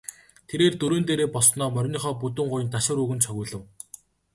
Тэрээр дөрөөн дээрээ боссоноо мориныхоо бүдүүн гуянд ташуур өгөн цогиулав.